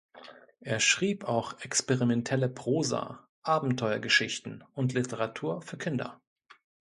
Er schrieb auch experimentelle Prosa, Abenteuergeschichten und Literatur für Kinder.